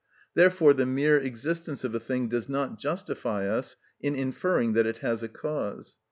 Therefore the mere existence of a thing does not justify us in inferring that it has a cause.